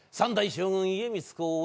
３代将軍家光公